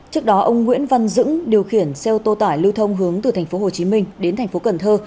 trước đó ông nguyễn văn dững điều khiển xe ô tô tải lưu thông hướng từ thành phố hồ chí minh đến thành phố cần thơ